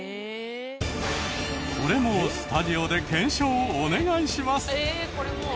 これもスタジオで検証をお願いします。